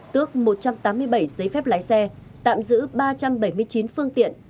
tước một trăm tám mươi bảy giấy phép lái xe tạm giữ ba trăm bảy mươi chín phương tiện